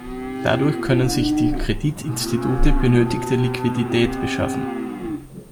Dadurch können sich die Kreditinstitute benötigte Liquidität beschaffen.